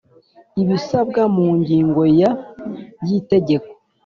Ibisabwa mu ngingo ya y itegeko